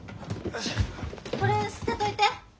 これ捨てといて。